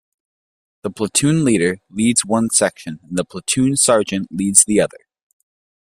The platoon leader, leads one section and the platoon sergeant leads the other.